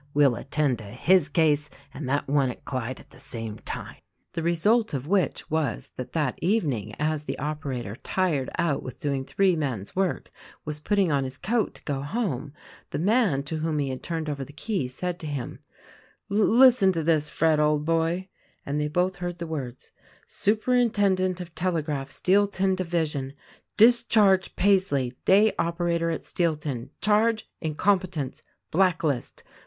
We'll attend to his case and that one at Clyde at the same time." The result of which was that that evening, as the oper ator — tired out with doing three men's work — was putting on his coat to go home, the man to whom he had turned over the key said to him, "Listen to this Fred, old boy," and they both heard the words: "Superintendent of Telegraph — Steelton Division: Discharge Paisley, day operator at Steelton. Charge — incompetence. Blacklist.